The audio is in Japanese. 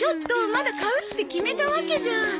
まだ買うって決めたわけじゃ。